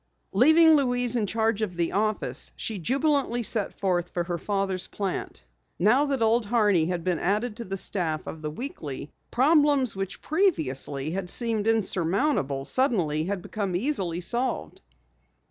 Leaving Louise in charge of the office, she jubilantly set forth for her father's plant. Now that Old Horney had been added to the staff of the Weekly, problems which previously had seemed unsurmountable suddenly had become easily solved.